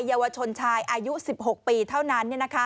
เยาวชนชายอายุ๑๖ปีเท่านั้น